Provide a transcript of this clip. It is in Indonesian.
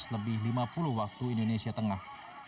lebih lima puluh waktu indonesia tengah